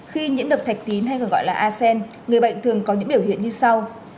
khi nhiễm độc thạch tín hay còn gọi là acen người bệnh thường có những biểu hiện như sau